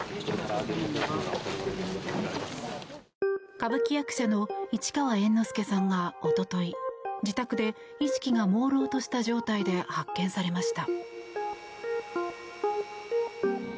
歌舞伎役者の市川猿之助さんが一昨日自宅で意識がもうろうとした状態で発見されました。